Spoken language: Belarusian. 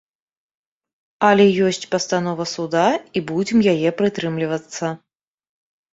Але ёсць пастанова суда, і будзем яе прытрымлівацца.